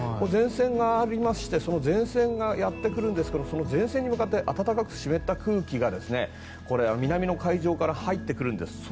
前線がありまして前線がやってくるんですがそれに向かって暖かく湿った空気が南の海上から入ってくるんです。